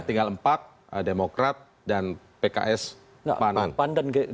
tinggal empat demokrat dan pks pan